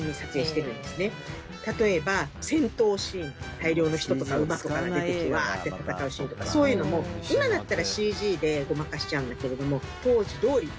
大量の人とか馬とかが出てきてウワーッて戦うシーンとかそういうのも今だったら、ＣＧでごまかしちゃうんだけれども当時どおり。